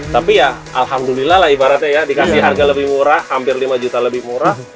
tapi ya alhamdulillah lah ibaratnya ya dikasih harga lebih murah hampir lima juta lebih murah